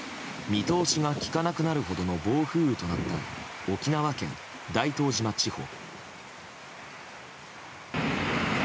見通しがきかなくなるほどの暴風雨となった沖縄県大東島地方。